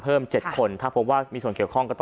พระเจ้าอาวาสกันหน่อยนะครับ